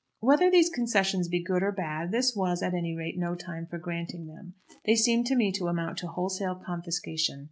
Whether these concessions be good or bad, this was, at any rate, no time for granting them. They seem to me to amount to wholesale confiscation.